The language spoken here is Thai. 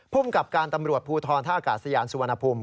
ภูมิกับการตำรวจภูทรท่าอากาศยานสุวรรณภูมิ